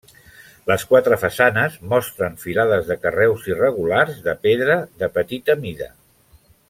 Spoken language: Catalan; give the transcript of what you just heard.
Les quatre façanes mostren filades de carreus irregulars de pedra de petita mida.